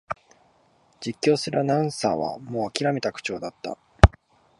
実況するアナウンサーはもうあきらめた口調だった